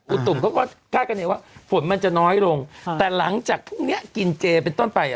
อุตุกเขาก็กล้าเกณฑ์ว่าฝนมันจะน้อยลงแต่หลังจากพรุ่งนี้กินเจเป็นต้นไป